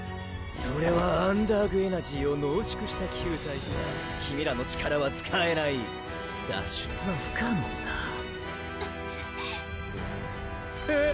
それはアンダーグエナジーを濃縮した球体さ君らの力は使えない脱出は不可能だ「クッ」